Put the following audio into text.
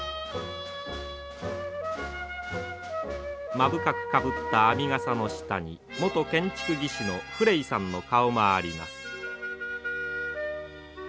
目深くかぶった編みがさの下に元建築技師のフレイさんの顔もあります。